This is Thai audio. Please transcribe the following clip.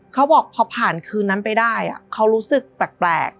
เขาบอกพอผ่านคืนนั้นไปได้เขารู้สึกแปลก